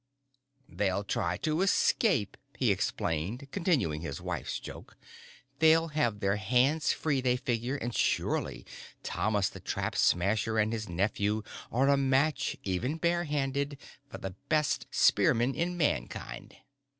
"They'll try to escape," he explained, continuing his wife's joke. "They'll have their hands free, they figure, and surely Thomas the Trap Smasher and his nephew are a match, even bare handed, for the best spearmen in Mankind!"